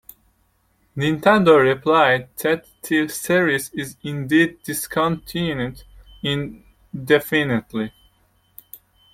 Nintendo replied that the series is indeed discontinued indefinitely.